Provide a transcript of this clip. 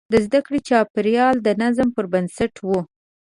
د زده کړې چاپېریال د نظم پر بنسټ و.